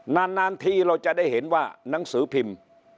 นานทีเราจะได้เห็นว่านังสือพิมพ์